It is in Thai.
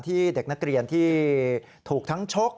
ที่เด็กนักเรียนที่ถูกทั้งชก